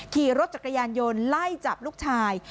ขี่รถจักรยานยนต์ไล่จับลูกชาย